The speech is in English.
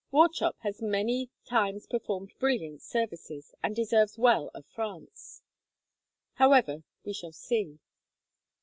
Wauchop has many times performed brilliant services, and deserves well of France. However, we shall see."